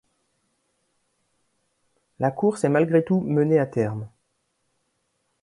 La course est malgré tout menée à terme.